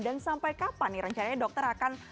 dan sampai kapan nih rencananya dokter akan